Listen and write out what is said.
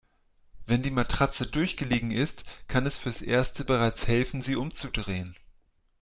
Wenn die Matratze durchgelegen ist, kann es fürs Erste bereits helfen, sie umzudrehen.